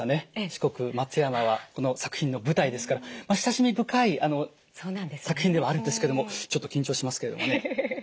四国松山はこの作品の舞台ですから親しみ深い作品ではあるんですけどもちょっと緊張しますけれどもね。